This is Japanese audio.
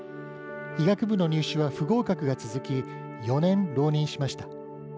医学部の入試は不合格が続き４年、浪人しました。